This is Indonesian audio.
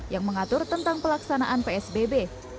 yang mengatur tentang pelaksanaan psbb